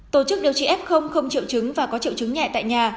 tổ chức điều trị f không triệu chứng và có triệu chứng nhẹ tại nhà